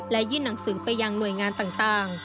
และยื่นหนังสือไปยังหน่วยงานต่าง